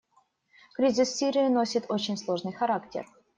Кризис в Сирии носит очень сложный характер.